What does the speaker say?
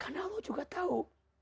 karena allah juga tahu